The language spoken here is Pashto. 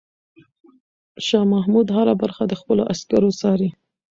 شاه محمود هره برخه د خپلو عسکرو څاري.